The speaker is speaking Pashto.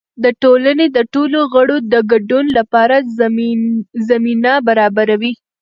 د ټولنې د ټولو غړو د ګډون لپاره زمینه برابروي.